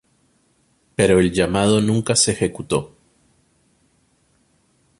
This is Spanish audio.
Pero el llamado nunca se ejecutó.